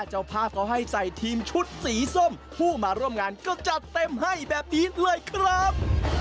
เจ้าภาพเขาให้ใส่ทีมชุดสีส้มผู้มาร่วมงานก็จัดเต็มให้แบบนี้เลยครับ